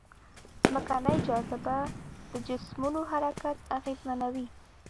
ځمکنۍ جاذبه د جسمونو حرکت اغېزمنوي.